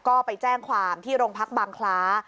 ก็ไปแจ้งความที่โรงพักบางคล้า